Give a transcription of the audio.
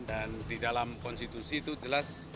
dan di dalam konstitusi itu jelas